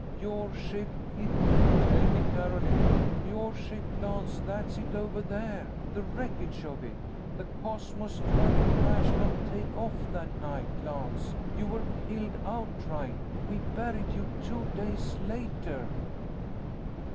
Your ship, it " "Tell me, Carolyn!" "Your ship, Lance, that's it over there the wreckage of it! The Cosmos XII crashed on take off that night, Lance. You were killed out right. We buried you two days later."